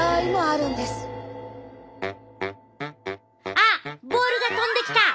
あっボールが飛んできた。